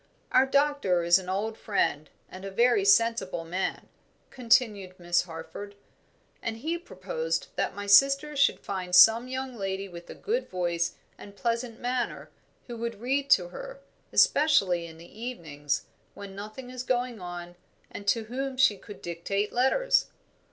"Our doctor is an old friend and a very sensible man," continued Miss Harford, "and he proposed that my sister should find some young lady with a good voice and pleasant manner who would read to her, especially in the evenings, when nothing is going on, and to whom she could dictate letters."